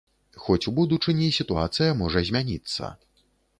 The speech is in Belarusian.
Хоць у будучыні сітуацыя можа змяніцца.